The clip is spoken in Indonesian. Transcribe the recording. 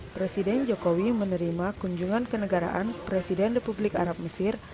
presiden jokowi menerima kunjungan kenegaraan presiden republik arab mesir